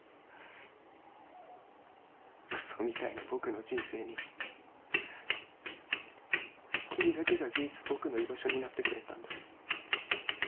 クソみたいな僕の人生に君だけが唯一僕の居場所になってくれたんだ。